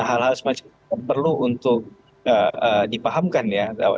hal hal semacam itu perlu untuk dipahamkan ya